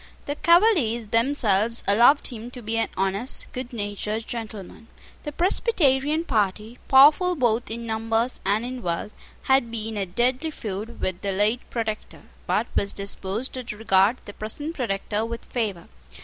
The Cavaliers themselves allowed him to be an honest, good natured gentleman. The Presbyterian party, powerful both in numbers and in wealth, had been at deadly feud with the late Protector, but was disposed to regard the present Protector with favour.